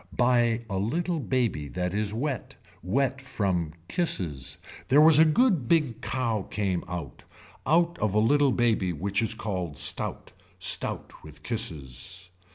By a little baby that is wet. Wet from kisses. There was a good big cow came out. Out of a little baby which is called stout. Stout with kisses.